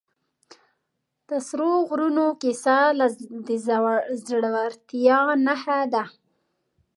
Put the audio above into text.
د سرو غرونو کیسه د زړورتیا نښه ده.